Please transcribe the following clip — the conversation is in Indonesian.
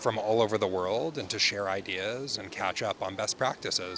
dari seluruh dunia dan untuk berbagi ide dan mengembangkan praktik yang baik